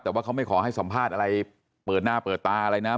แต่ว่าเขาไม่ขอให้สัมภาษณ์อะไรเปิดหน้าเปิดตาอะไรนะ